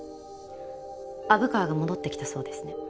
虻川が戻ってきたそうですね。